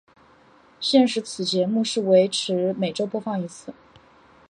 现时此节目是维持每周播放一次。